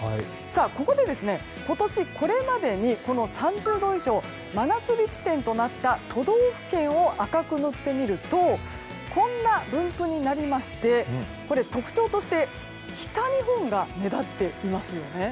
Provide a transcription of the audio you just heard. ここで今年これまでに３０度以上真夏日地点となった都道府県を赤く塗ってみるとこんな分布になりまして特徴として北日本が目立っていますよね。